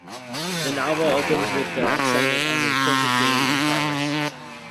The novel opens with the excitement of a perfect game in progress.